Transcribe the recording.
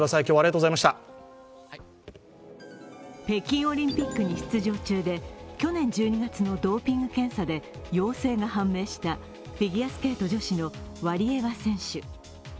北京オリンピックに出場中で去年１２月のドーピング検査で陽性が判明したフィギュアスケート女子のワリエワ選手。